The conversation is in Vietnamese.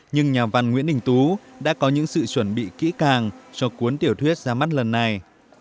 nhưng nhà văn nguyễn đình tú đã có những sự chuẩn bị kỹ càng cho cuốn tiểu thuyết ra mắt lần này